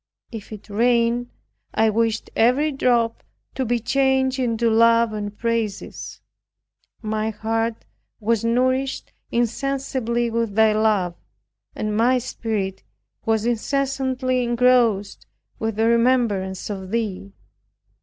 If it rained, I wished every drop to be changed into love and praises. My heart was nourished insensibly with Thy love; and my spirit was incessantly engrossed with the remembrance of Thee.